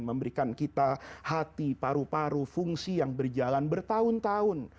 memberikan kita hati paru paru fungsi yang berjalan bertahun tahun